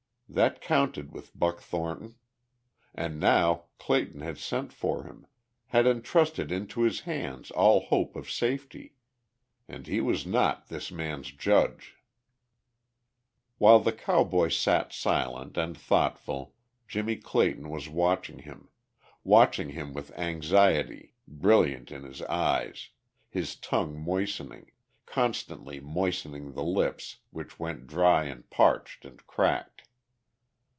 That counted with Buck Thornton. And now Clayton had sent for him, had entrusted into his hands all hope of safety. And he was not this man's judge. While the cowboy sat silent and thoughtful Jimmie Clayton was watching him, watching him with anxiety brilliant in his eyes, his tongue moistening, constantly moistening the lips which went dry and parched and cracked.